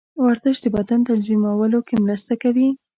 ورزش د وزن تنظیمولو کې مرسته کوي.